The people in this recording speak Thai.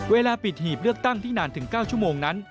เวลาปิดหีบเลือกตั้งที่นานถึง๙ชั่วโมงนั้น